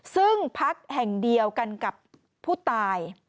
ซึ่งพักแห่งเดียวกันกับผู้ตาย